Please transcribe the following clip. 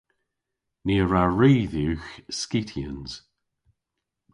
Ni a wra ri dhywgh skityans.